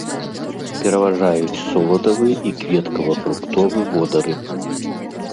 Пераважаюць соладавы і кветкава-фруктовы водары.